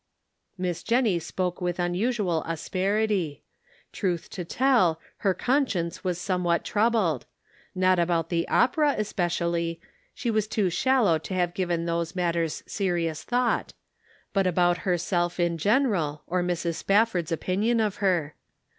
Miss Jennie spoke with unusual asperity. Truth to tell, her conscience was somewhat troubled ; not about the opera, especially ; she was too shallow to have given those matters serious thought ; but about herself in general, or Mrs. Spafford's opinion of her.